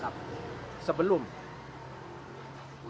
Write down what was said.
tapi sebelum atau setelah eko samahadi ditangkap